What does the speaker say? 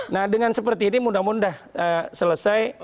nah dengan seperti ini mudah mudahan selesai